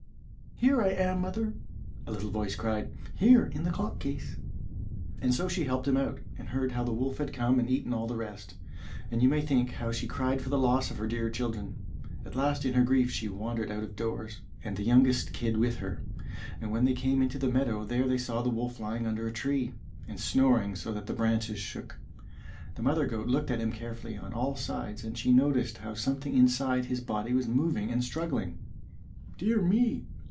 "Here I am, mother," a little voice cried, "here, in the clock case." And so she helped him out, and heard how the wolf had come, and eaten all the rest. And you may think how she cried for the loss of her dear children. At last in her grief she wandered out of doors, and the youngest kid with her; and when they came into the meadow, there they saw the wolf lying under a tree, and snoring so that the branches shook. The mother goat looked at him carefully on all sides and she noticed how something inside his body was moving and struggling. "Dear me!"